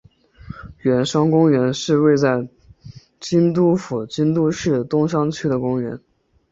圆山公园是位在京都府京都市东山区的公园。